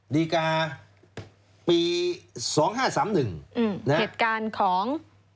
ดีการ์ปี๒๕๓๑เหตุการณ์ของ๔๕๔๔๒๕๓๑